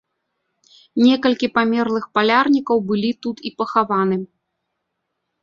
Некалькі памерлых палярнікаў былі тут і пахаваны.